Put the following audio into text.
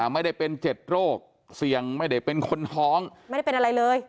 ไม่ได้เป็น๗โรคเสี่ยงไม่ได้เป็นคนท้องไม่ได้เป็นอะไรเลย